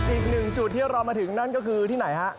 อีกหนึ่งจุดที่เรามาถึงนั่นก็คือที่ไหนฮะ